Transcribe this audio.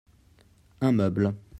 Un meuble.